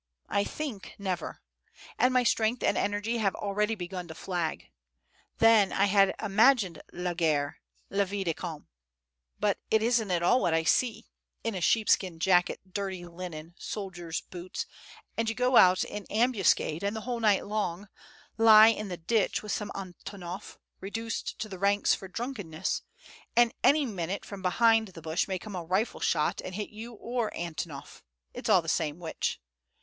I think, never. And my strength and energy have already begun to flag. Then I had imagined la guerre, la vie de camp; but it isn't at all what I see, in a sheepskin jacket, dirty linen, soldier's boots, and you go out in ambuscade, and the whole night long lie in the ditch with some Antonof reduced to the ranks for drunkenness, and any minute from behind the bush may come a rifle shot and hit you or Antonof, it's all the same which.